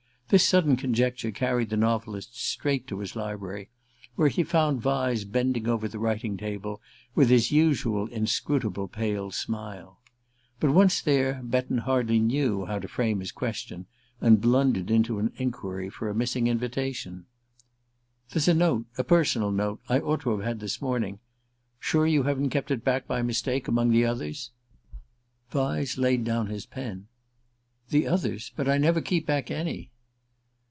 This sudden conjecture carried the novelist straight to his library, where he found Vyse bending over the writing table with his usual inscrutable pale smile. But once there, Betton hardly knew how to frame his question, and blundered into an enquiry for a missing invitation. "There's a note a personal note I ought to have had this morning. Sure you haven't kept it back by mistake among the others?" Vyse laid down his pen. "The others? But I never keep back any."